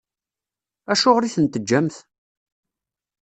Acuɣer i t-in-teǧǧamt?